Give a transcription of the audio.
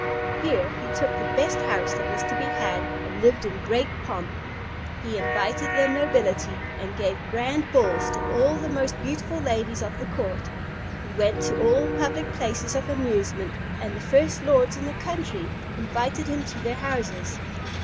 Here he took the best house that was to be had, and lived in great pomp. He invited the nobility, and gave grand balls to all the most beautiful ladies of the court. He went to all public places of amusement, and the first lords in the country invited him to their houses.